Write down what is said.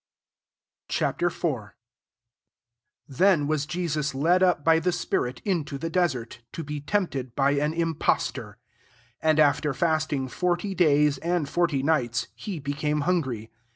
Ch. IV. 1 Theh was Jesus led up by the spirit into the de sert,* to be tempted by an im postor. 2 And after fasting forty days and forty nights, he became hungry.